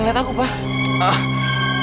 ngelihat aku pak